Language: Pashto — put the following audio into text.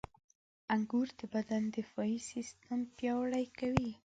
• انګور د بدن دفاعي سیستم پیاوړی کوي.